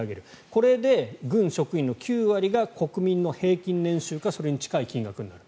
これで軍職員の９割が国民の平均年収かそれに近い金額になる。